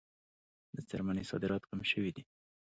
د څرمنې صادرات کم شوي دي